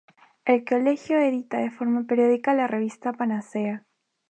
El colegio edita de forma periódica la revista Panacea.